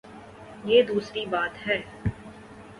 یہ دوسری بات ہے۔